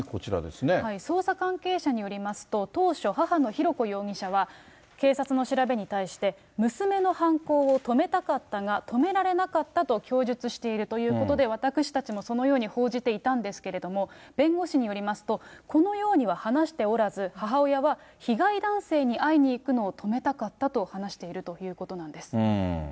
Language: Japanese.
捜査関係者によりますと、当初、母の浩子容疑者は、警察の調べに対して、娘の犯行を止めたかったが、止められなかったと供述しているということで、私たちもそのように報じていたんですけれども、弁護士によりますと、このようには話しておらず、母親は、被害男性に会いに行くのを止めたかったと話しているということなんです。